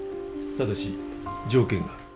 ただし条件がある。